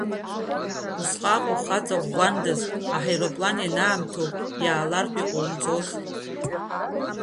Усҟак ухаҵа ӷәӷәандаз аҳаирплан ианаамҭоу иаалартә иҟоумҵоз.